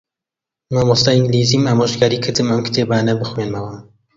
مامۆستای ئینگلیزیم ئامۆژگاریی کردم ئەم کتێبانە بخوێنمەوە.